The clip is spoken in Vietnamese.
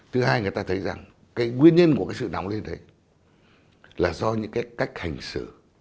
thứ hai người ta thấy rằng cái nguyên nhân của cái sự nóng lên đấy là do những cái cách hành xử